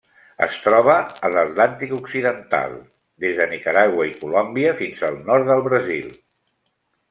Es troba a l'Atlàntic occidental: des de Nicaragua i Colòmbia fins al nord del Brasil.